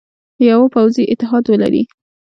یوه پوځي اتحاد ولري.